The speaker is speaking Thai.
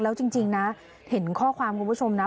แล้วจริงนะเห็นข้อความคุณผู้ชมนะ